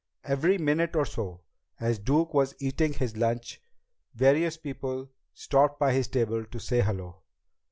Every minute or so, as Duke was eating his lunch, various people stopped by his table to say hello.